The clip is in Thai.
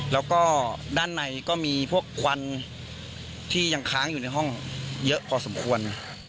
แล้วก็ด้านในก็มีพวกควันที่ยังค้างอยู่ในห้องเยอะพอสมควร